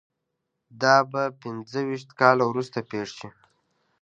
دا به پنځه ویشت کاله وروسته پېښ شي